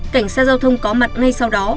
cảnh sát giao thông có mặt ngay sau đó